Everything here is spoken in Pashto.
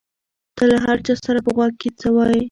ته له هر چا سره په غوږ کې څه وایې؟